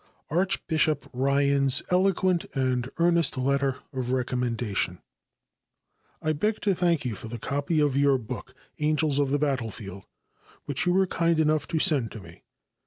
Archbishop Ryan's Eloquent and Earnest Letter of Recommendation. I beg to thank you for the copy of your book, "Angels of the Battlefield," which you were kind enough to send to me.